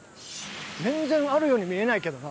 全然あるように見えないけどな。